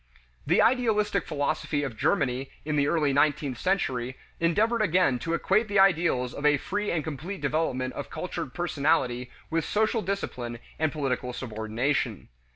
The idealistic philosophy of Germany in the early nineteenth century endeavored again to equate the ideals of a free and complete development of cultured personality with social discipline and political subordination.